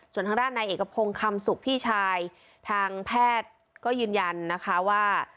ส่วนทางด้านในเอกพงศ์คำสุขพี่ชายทางแพทย์ก็ยืนยันนะคะว่า